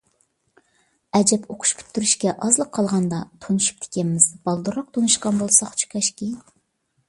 ئەجەب ئوقۇش پۈتتۈرۈشكە ئازلا قالغاندا تونۇشۇپتىكەنمىز، بالدۇرراق تونۇشقان بولساقچۇ كاشكى!